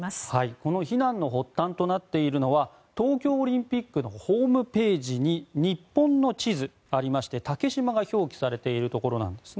この非難の発端となっているのは東京オリンピックのホームページに日本の地図がありまして竹島が表記されているところなんですね。